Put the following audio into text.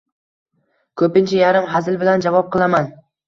Ko’pincha yarim hazil bilan javob qilaman: